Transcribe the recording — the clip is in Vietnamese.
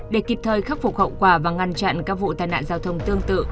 để kịp thời khắc phục hậu quả và ngăn chặn các vụ tai nạn giao thông tương tự